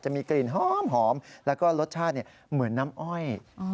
มีกลิ่นหอมแล้วก็รสชาติเหมือนน้ำอ้อย